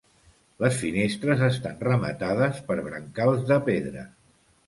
Les finestres estan rematades per brancals de pedra.